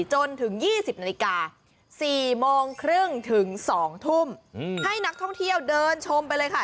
จนถึง๒๐นาฬิกา๔โมงครึ่งถึง๒ทุ่มให้นักท่องเที่ยวเดินชมไปเลยค่ะ